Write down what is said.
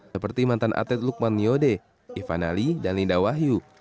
seperti mantan atlet lukman nyode ivanali dan linda wahyu